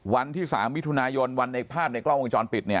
วันที่๓มิถุนายนวันในภาพในกล้องวงจรปิดเนี่ย